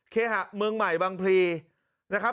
เคหะเมืองใหม่บางพลีนะครับ